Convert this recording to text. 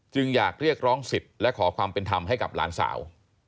อยากเรียกร้องสิทธิ์และขอความเป็นธรรมให้กับหลานสาว